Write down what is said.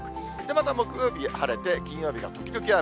また木曜日晴れて、金曜日が時々雨。